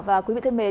và quý vị thân mến